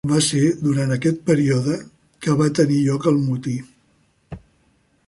Va ser durant aquest període que va tenir lloc el motí.